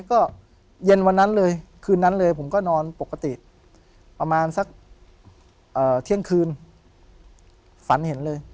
ก็เย็นวันนั้นเลยคืนนั้นเลยผมก็นอนปกติประมาณสักเที่ยงคืนฝันเห็นเลย